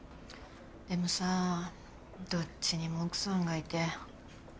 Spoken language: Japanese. でもさどっちにも奥さんがいて。